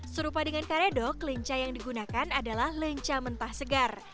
serupa dengan karedok lenca yang digunakan adalah lenca mentah segar